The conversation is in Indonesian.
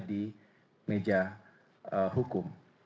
di meja hukum